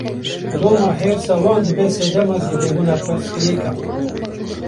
Loma hêrsa wan dibe sedema zêdebûna pirsgirêkan.